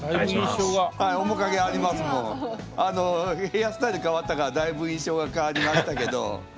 ヘアスタイル変わったからだいぶ印象が変わりましたけど。